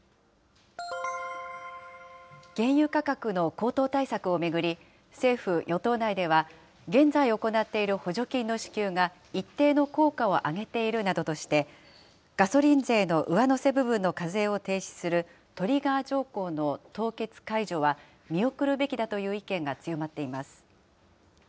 原油価格の高騰対策を巡り、政府・与党内では、現在行っている補助金の支給が一定の効果を上げているなどとして、ガソリン税の上乗せ部分の課税を停止するトリガー条項の凍結解除は見送るべきだという意見が強まっています。